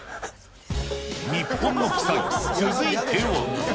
日本の奇祭、続いては。